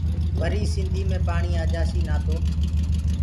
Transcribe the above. وري سنڌيٚ مي پاڻيٚ آجآسيٚ نآ تو